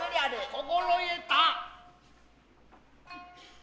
心得た。